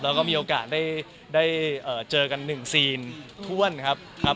แล้วก็มีโอกาสได้เจอกันหนึ่งซีนท่วนครับผม